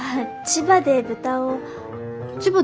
千葉で豚？